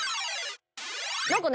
何かね